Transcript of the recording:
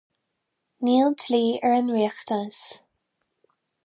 Níl dlí ar an riachtanas.